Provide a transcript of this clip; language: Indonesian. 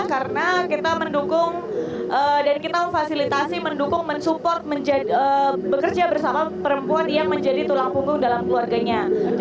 karena kita mendukung dan kita memfasilitasi mendukung mensupport bekerja bersama perempuan yang menjadi tulang punggung dalam keluarganya